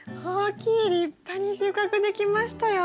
立派に収穫できましたよ。